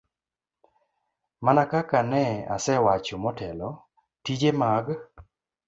Mana kaka ne asewacho motelo, tije mag